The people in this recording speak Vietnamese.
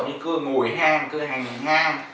những cơ ngồi hang cơ hành hang